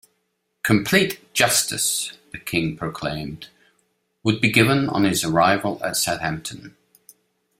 Complete justice, the king proclaimed, would be given on his arrival at Southampton.